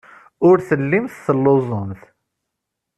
Ur tellimt telluẓemt.